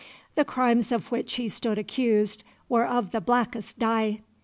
The crimes of which he stood accused were of the blackest dye.